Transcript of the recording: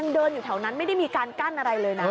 ปกติผู้ตรงนี้พุ่งขึ้นฟ้า